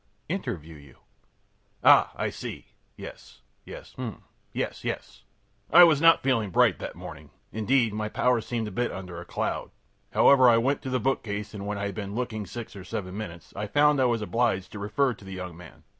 ö ōInterview you.ö ōAh! I see. Yes yes. Um! Yes yes.ö I was not feeling bright that morning. Indeed, my powers seemed a bit under a cloud. However, I went to the bookcase, and when I had been looking six or seven minutes I found I was obliged to refer to the young man.